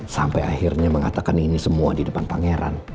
sampai akhirnya mengatakan ini semua di depan pangeran